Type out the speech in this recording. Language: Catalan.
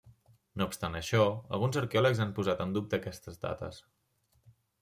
No obstant això, alguns arqueòlegs han posat en dubte aquestes dates.